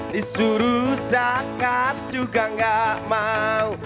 disuruh zakat juga gak mau